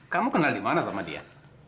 kamu kenal di mana sama dia